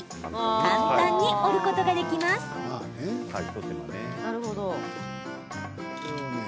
簡単に折ることができます。